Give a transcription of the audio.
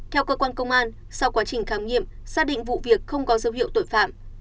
theo cơ quan công an sau quá trình khám nghiệm xác định vụ việc không có dấu hiệu tội phạm